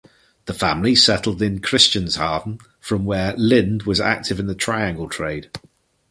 The family settled in Christianshavn from where Lind was active in the Triangle Trade.